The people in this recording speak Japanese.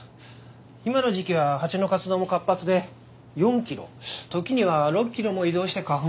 今の時期は蜂の活動も活発で４キロ時には６キロも移動して花粉を集めるんです。